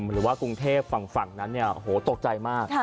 หรือว่ากรุงเทพฝั่งนั้นเนี่ยโอ้โหตกใจมาก